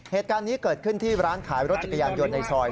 เหตุการณ์นี้เกิดขึ้นที่ร้านขายรถจักรยานยนต์ในซอย